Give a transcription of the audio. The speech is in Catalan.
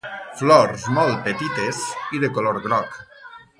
Flors molt petites i de color groc.